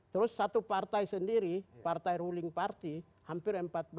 terus satu partai sendiri partai ruling party hampir empat belas